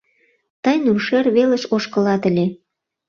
— Тый Нуршер велыш ошкылат ыле.